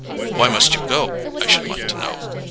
"Why must you go, I should like to know?